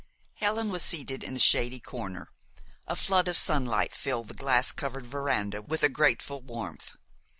Helen was seated in a shady corner. A flood of sunlight filled the glass covered veranda with a grateful warmth.